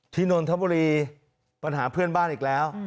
นนทบุรีปัญหาเพื่อนบ้านอีกแล้ว